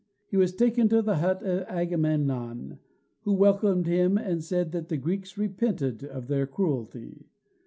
He was taken to the hut of Agamemnon, who welcomed him, and said that the Greeks repented of their cruelty.